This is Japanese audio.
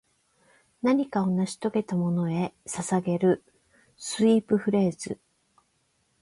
何かを成し遂げたものへ捧げるスウィープフレーズ